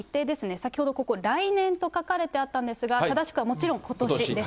先ほどここ、来年と書かれてあったんですが、正しくはもちろんことしです。